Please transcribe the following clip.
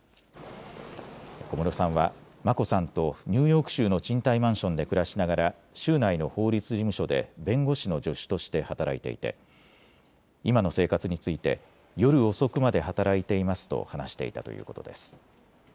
小室さんは眞子さんとニューヨーク州の賃貸マンションで暮らしながら州内の法律事務所で弁護士の助手として働いていて今の生活について夜遅くまで働いていますと話していたということです。